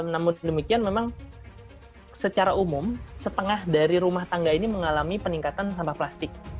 namun demikian memang secara umum setengah dari rumah tangga ini mengalami peningkatan sampah plastik